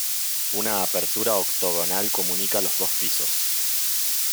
Una apertura octogonal comunica los dos pisos.